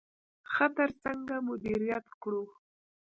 خطر څنګه مدیریت کړو؟